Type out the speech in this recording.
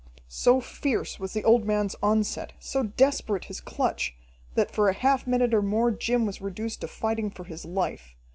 So fierce was the old man's onset, so desperate his clutch, that for a half minute or more Jim was reduced to fighting for his life.